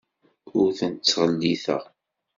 Ur tent-ttɣelliteɣ.